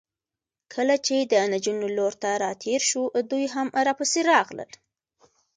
کله چې د نجونو لور ته راتېر شوو، دوی هم راپسې راغلل.